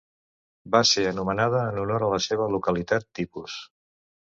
Va ser anomenada en honor a la seva localitat tipus.